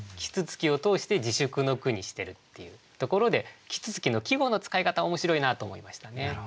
啄木鳥を通して自祝の句にしてるっていうところで「啄木鳥」の季語の使い方面白いなと思いましたね。